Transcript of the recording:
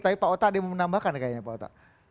tapi pak ota ada yang menambahkan kayaknya pak ota